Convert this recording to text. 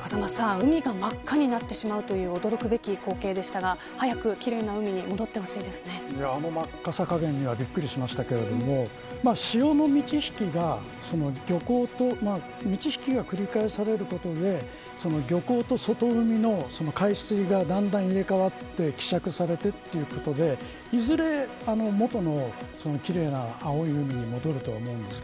風間さん、海が真っ赤になってしまうという驚くべき光景でしたが早く奇麗な海に戻ってほあの赤さ加減にはびっくりしましたが潮の満ち引きが繰り返されることで漁港と外海の海水がだんだん入れ替わって希釈されてということで、いずれ元の奇麗な青い海に戻るとは思います。